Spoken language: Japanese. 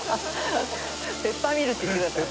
「ペッパーミル」って言ってください。